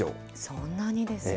そんなにですか。